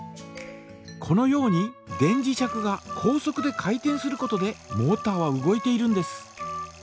このように電磁石が高速で回転することでモータは動いているんです。